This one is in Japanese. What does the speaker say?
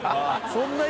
そんなに？